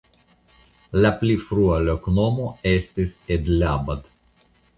La pli frua loknomo estis "Edlabad".